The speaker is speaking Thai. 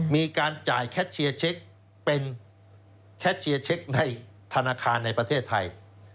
มีการจ่ายแคชเชียร์เช็คเป็นแคชเชียร์เช็คในธนาคารในประเทศไทย